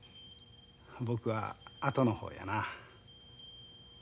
僕は後の方やな。